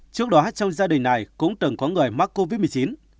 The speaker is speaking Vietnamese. trước đó trong gia đình này cũng từng có người mắc covid một mươi chín